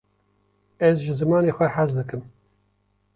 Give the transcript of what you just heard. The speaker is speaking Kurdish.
ez ji zimanê xwe hez dikim